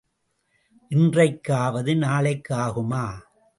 இன்றைக்கு ஆவது நாளைக்கு ஆகுமா?